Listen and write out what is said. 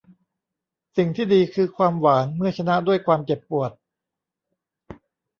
สิ่งที่ดีคือความหวานเมื่อชนะด้วยความเจ็บปวด